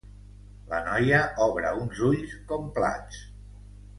La noia obre uns ulls com plats.